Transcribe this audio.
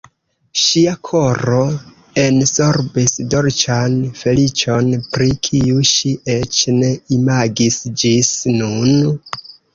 Ŝia koro ensorbis dolĉan feliĉon, pri kiu ŝi eĉ ne imagis ĝis nun.